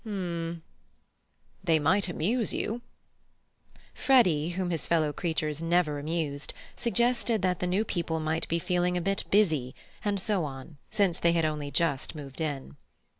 "M'm." "They might amuse you." Freddy, whom his fellow creatures never amused, suggested that the new people might be feeling a bit busy, and so on, since they had only just moved in.